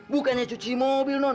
bukannya cuci mobil non